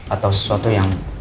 atau sesuatu yang